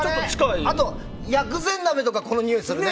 あと、薬膳鍋とかこのにおいするね。